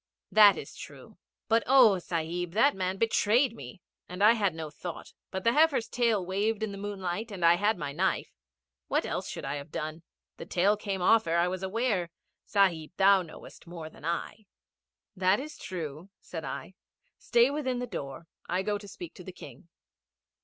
'That is true; but oh, Sahib, that man betrayed me and I had no thought but the heifer's tail waved in the moonlight and I had my knife. What else should I have done? The tail came off ere I was aware. Sahib, thou knowest more than I.' 'That is true,' said I. 'Stay within the door. I go to speak to the King.'